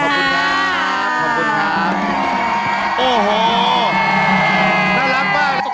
น่ารักมาก